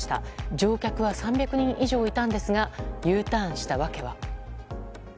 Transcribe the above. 乗客は３００人以上いたんですがＵターンした訳は。